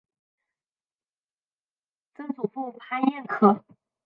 曾祖父潘彦可。